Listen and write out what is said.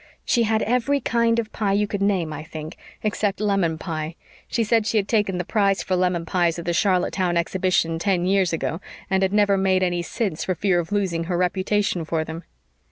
She had every kind of pie you could name, I think except lemon pie. She said she had taken the prize for lemon pies at the Charlottetown Exhibition ten years ago and had never made any since for fear of losing her reputation for them."